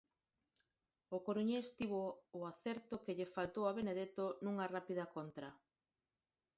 O coruñés tivo o acerto que lle faltou a Benedeto nunha rápida contra.